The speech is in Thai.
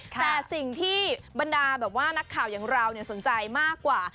แต่สิ่งที่บรรดาแบบว่านักข่าวอย่างเราสนใจมากกว่า